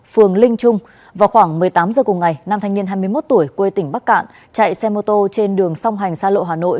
phường linh trung vào khoảng một mươi tám h cùng ngày năm thanh niên hai mươi một tuổi quê tỉnh bắc cạn chạy xe mô tô trên đường song hành xa lộ hà nội